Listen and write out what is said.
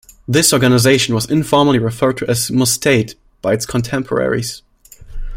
This organization was informally referred to as "Musteite" by its contemporaries.